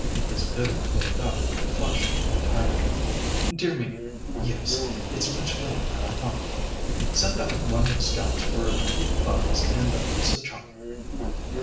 Miss Vivian looked up, flushed and tired. "Dear me, yes. It's much later than I thought. Send out one of the Scouts for a couple of buns and a piece of chocolate."